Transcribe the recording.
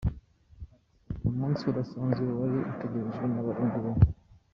Ati “Ni umunsi udasanzwe wari utegerejwe n’Abarundi benshi.